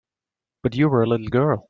But you were a little girl.